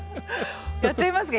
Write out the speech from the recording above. やっちゃいますか。